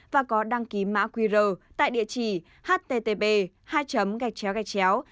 và có đăng ký mã qr tại địa chỉ http www http gov vn